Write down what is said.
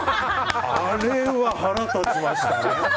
あれは腹立ちましたね。